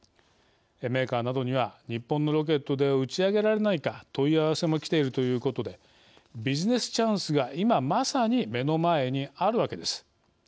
メーカーなどには日本のロケットで打ち上げられないか問い合わせもきているということでビジネスチャンスが今、まさに目の前にあるわけです。